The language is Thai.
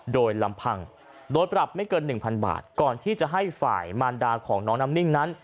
โดยลำพังโดยปรับไม่เกิน๑๐๐บาทก่อนที่จะให้ฝ่ายมารดาของน้องน้ำนิ่งนั้น